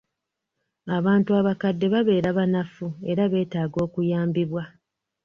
Abantu abakadde babeera banafu era beetaaga okuyambibwa.